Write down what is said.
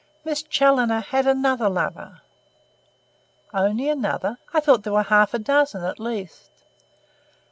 Miss Challoner had another lover." "Only another? I thought there were a half dozen, at least."